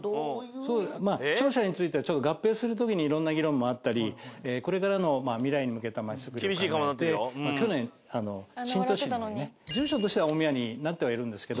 庁舎については合併する時にいろんな議論もあったりこれからの未来に向けた町づくりを考えて去年住所としては大宮になってはいるんですけど